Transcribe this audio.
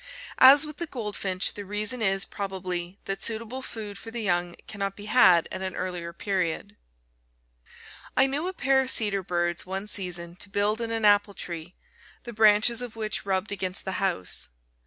As with the goldfinch, the reason is, probably, that suitable food for the young cannot be had at an earlier period. I knew a pair of cedar birds, one season, to build in an apple tree, the branches of which rubbed against the house.